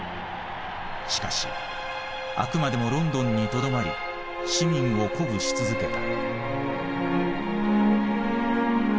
しかしあくまでもロンドンにとどまり市民を鼓舞し続けた。